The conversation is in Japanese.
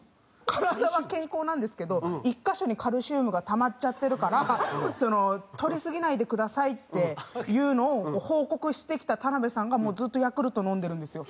体は健康なんですけど１カ所にカルシウムがたまっちゃってるからとりすぎないでくださいっていうのを報告してきた田辺さんがずっとヤクルト飲んでるんですよ。